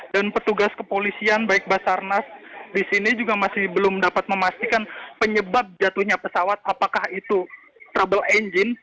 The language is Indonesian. dan petugas kepolisian baik basarnas di sini juga masih belum dapat memastikan penyebab jatuhnya pesawat apakah itu trouble engine